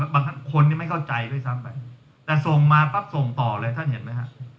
คนไม่เข้าใจด้วยซ้ำไปแต่ส่งมาปั๊บส่งต่อเลยท่านเห็นไหมฮะ